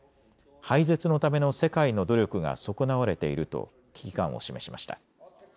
廃絶のための世界の努力が損なわれていると危機感を示しました。